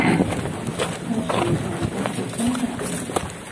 开始想搬回乡下住